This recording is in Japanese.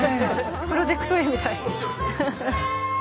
「プロジェクトＡ」みたい。